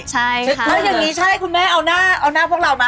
ถ้าอย่างนี้คุณแม่เอาหน้าพวกเรามา